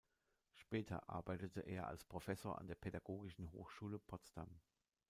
Später arbeitete er als Professor an der Pädagogischen Hochschule Potsdam.